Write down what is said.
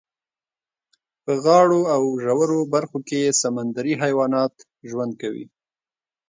په غاړو او ژورو برخو کې یې سمندري حیوانات ژوند کوي.